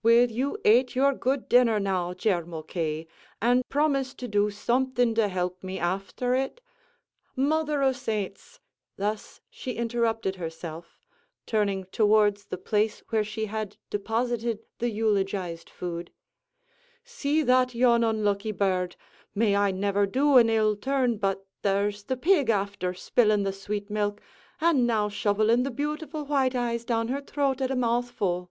"Will you ate your good dinner, now, Jer Mulcahy, an' promise to do something to help me, afther it? Mother o' Saints!" thus she interrupted herself, turning towards the place where she had deposited the eulogized food "see that yon unlucky bird! May I never do an ill turn but there's the pig afther spilling the sweet milk, an' now shoveling the beautiful white eyes down her throat at a mouthful!"